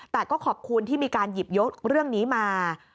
แต่ก็ขอบคุณที่มีการหยิบยกเรื่องนี้มา